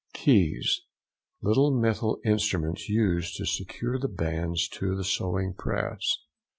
KEYS.—Little metal instruments used to secure the bands to the sewing press.